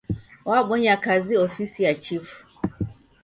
Wabonya kazi ofisi ya chifu.